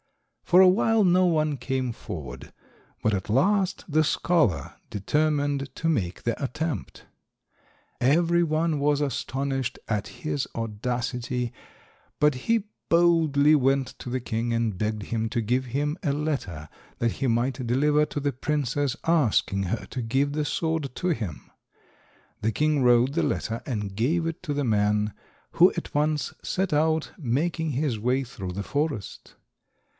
For a while no one came forward, but at last the scholar determined to make the attempt. Every one was astonished at his audacity, but he boldly went to the king and begged him to give him a letter that he might deliver to the princess asking her to give the sword to him. The king wrote the letter and gave it to the man, who at once set out, making his way through the forest.